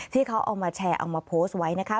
ที่เขาเอามาแชร์เอามาโพสต์ไว้นะคะ